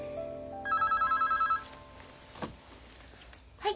☎はい。